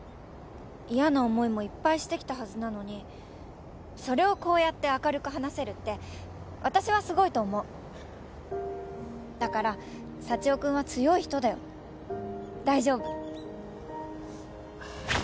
嫌な思いもいっぱいしてきたはずなのにそれをこうやって明るく話せるって私はすごいと思うだからサチオくんは強い人だよ大丈夫どうしたの？